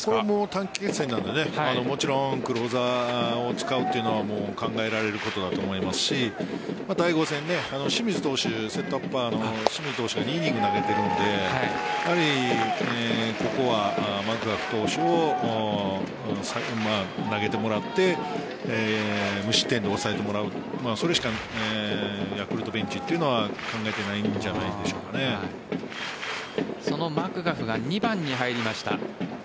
短期決戦なのでもちろんクローザーを使うというのは考えられることだと思いますし第５戦セットアッパーの清水投手が２イニング投げているのでここはマクガフ投手に投げてもらって無失点で抑えてもらうそれしかヤクルトベンチは考えていないんじゃそのマクガフが２番に入りました。